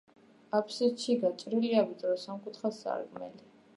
აფსიდში გაჭრილია ვიწრო სამკუთხა სარკმელი.